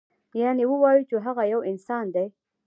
یعنې ووایو چې هغه یو انسان دی.